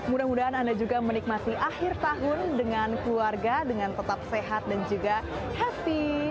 mudah mudahan anda juga menikmati akhir tahun dengan keluarga dengan tetap sehat dan juga happy